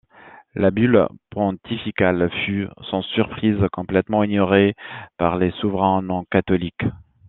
La bulle pontificale fut, sans surprise, complètement ignorée par les souverains non catholiques.